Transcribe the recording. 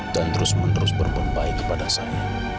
dan terus menerus berpembaik kepada saya